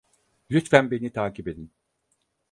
Lütfen beni takip edin.